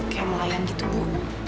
kayak melayan gitu bu